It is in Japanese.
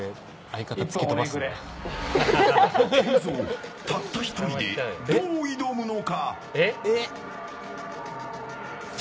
ＫＥＮＺＯ、たった１人でどう挑むのか？